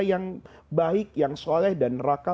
yang baik yang soleh dan neraka